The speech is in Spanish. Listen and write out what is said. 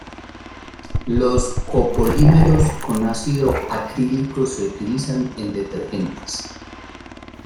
Los copolímeros con ácido acrílico se utilizan en detergentes.